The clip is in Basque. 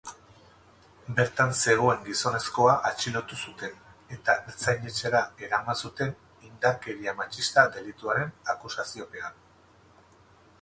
Bertan zegoen gizonezkoa atxilotu zuten eta ertzainetxera eraman zuten indarkeria matxista delituaren akusaziopean.